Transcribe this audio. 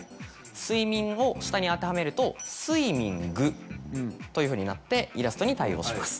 「すいみん」を下に当てはめると「スイミング」というふうになってイラストに対応します。